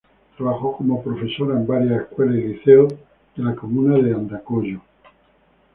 Trabajó como profesora en varias escuelas y liceos de la comuna de Andacollo.